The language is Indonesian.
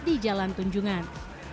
di jalan tunjungan